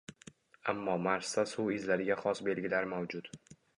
Ammo Marsda suv izlariga xos belgilar mavjud